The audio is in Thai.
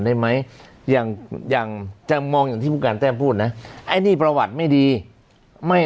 ได้ไหมอย่างอย่างจะมองอย่างที่ผู้การแต้มพูดนะไอ้นี่ประวัติไม่ดีไม่